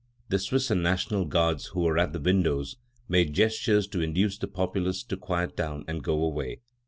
The Swiss and National Guards who were at the windows made gestures to induce the populace to quiet down and go away.